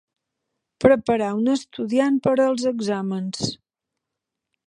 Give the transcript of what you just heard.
Preparar un estudiant per als exàmens.